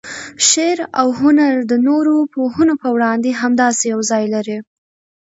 شعر و هنر د نورو پوهنو په وړاندې همداسې یو ځای لري.